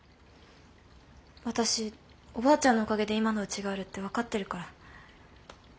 私おばあちゃんのおかげで今のうちがあるって分かってるから。